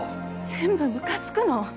全部むかつくの！